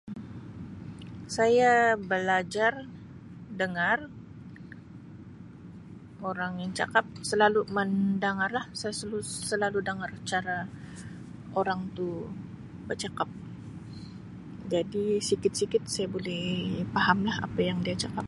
Saya balajar dangar orang yang cakap. Selalu mandangar lah. Saya sels- selalu dangar cara orang tu bercakap. Jadi, sikit-sikit sa bulih paham lah apa yang dia cakap.